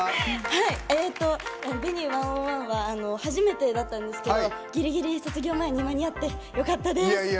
「Ｖｅｎｕｅ１０１」は初めてだったんですけどぎりぎり卒業前に間に合ってよかったです。